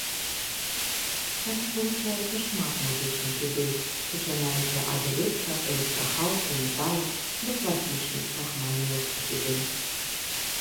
Там спалучаецца шмат музычных ідэй, пачынаючы ад электра, электрахаўса, метала да класічных, рахманінаўскіх ідэй.